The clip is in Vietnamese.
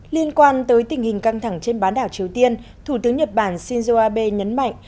liên quan tới tình hình căng thẳng trên bán đảo triều tiên thủ tướng nhật bản shinzo abe nhấn mạnh